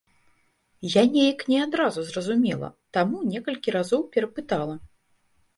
Я неяк не адразу зразумела, таму некалькі разоў перапытала.